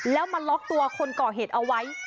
แล้วมาล็อกตัวคนก่อเหตุเอาไว้